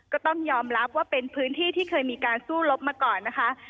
ก็ต้องยอมรับว่าเป็นพื้นที่ที่เคยมีการสู้รบมาก่อนนะคะ